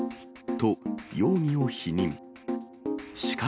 と、容疑を否認。